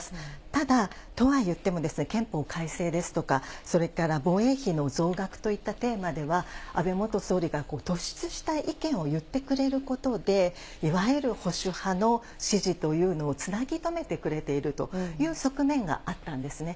ただ、とはいっても憲法改正ですとか、それから防衛費の増額といったテーマでは、安倍元総理が突出した意見を言ってくれることで、いわゆる保守派の支持というのをつなぎとめてくれているという側面があったんですね。